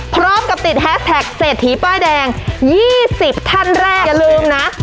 พร้อมกับติดแฮสแท็กเศรษฐีป้ายแดง๒๐ท่านแรกอย่าลืมนะ